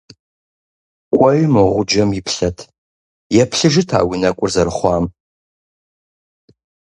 КӀуэи мо гъуджэм иплъэт, еплъыжыт а уи нэкӀур зэрыхъуам.